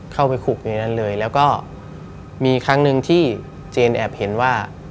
เข้าไปคุกในนั้นเลยแล้วก็มีครั้งหนึ่งที่เจนแอบเห็นว่า